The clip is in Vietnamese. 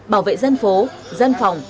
bảo vệ dân phố dân phòng